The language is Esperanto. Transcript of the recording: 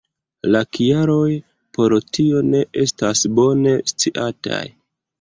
La kialoj por tio ne estas bone sciataj.